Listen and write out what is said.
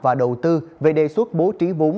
và đầu tư về đề xuất bố trí vốn